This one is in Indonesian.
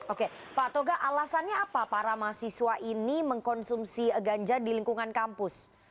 oke pak toga alasannya apa para mahasiswa ini mengkonsumsi ganja di lingkungan kampus